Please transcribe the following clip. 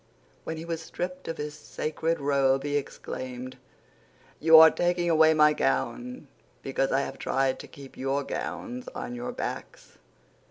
When he was stripped of his sacred robe he exclaimed, "You are taking away my gown because I have tried to keep your gowns on your backs."